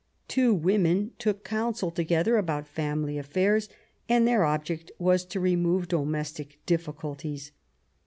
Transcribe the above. Two women took counsel together about family affairs, and their object was to remove domestic difficulties.